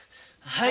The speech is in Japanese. はい。